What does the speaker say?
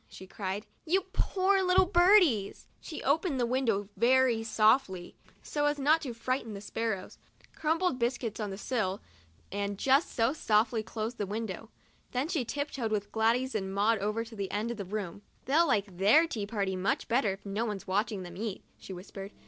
she cried. " You poor little birdies !" She opened the window very softly, so as not to frighten the sparrows, crumbled biscuits on the sill, and 38 TUESDAY A TEA PARTY AND ITS RESULTS just as softly closed the window. Then she tiptoed with Gladys and Maud over to the end of the room. " They'll like their tea party much better if no one's watching them eat," she whispered.